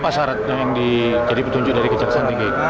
apa syaratnya yang jadi petunjuk dari kejaksaan tinggi